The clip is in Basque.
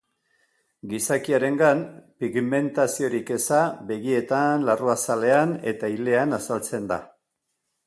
Gizakiarengan pigmentaziorik eza begietan, larruazalean eta ilean azaltzen da.